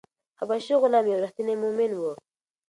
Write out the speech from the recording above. حبشي غلام یو ریښتینی مومن و.